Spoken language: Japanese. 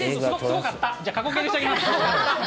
じゃあ、過去形にしときます。